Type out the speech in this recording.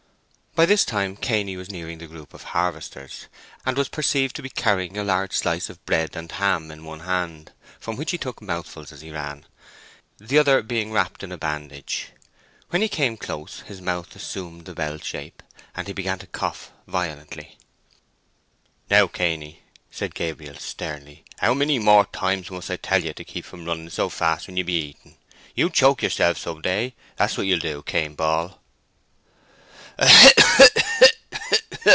By this time Cainy was nearing the group of harvesters, and was perceived to be carrying a large slice of bread and ham in one hand, from which he took mouthfuls as he ran, the other being wrapped in a bandage. When he came close, his mouth assumed the bell shape, and he began to cough violently. "Now, Cainy!" said Gabriel, sternly. "How many more times must I tell you to keep from running so fast when you be eating? You'll choke yourself some day, that's what you'll do, Cain Ball."